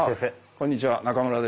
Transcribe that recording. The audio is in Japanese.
こんにちは中村です。